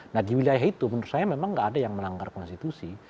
nah di wilayah itu menurut saya memang nggak ada yang melanggar konstitusi